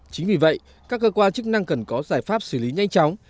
chính vì vậy các cơ quan chức năng cần có giải pháp xử lý nhanh chóng